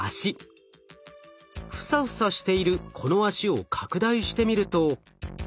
フサフサしているこの脚を拡大してみると。